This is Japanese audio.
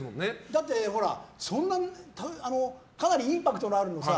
だって、ほらかなりインパクトのあるのをさ